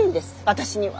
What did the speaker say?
私には。